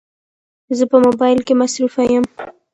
زه په موبایل کې مصروفه یم